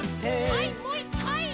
はいもう１かい！